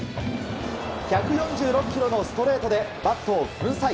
１４６キロのストレートでバットを粉砕！